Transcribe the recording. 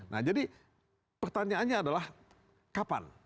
nah jadi pertanyaannya adalah kapan